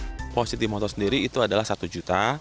deposit di motor sendiri itu adalah satu juta